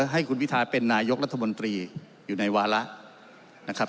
ให้คุณพิทาเป็นนายกรัฐมนตรีอยู่ในวาระนะครับ